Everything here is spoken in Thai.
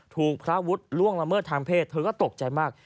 ถูกพระวุฒิล่วงละเมิดทางเพศเธอก็ตกใจมาก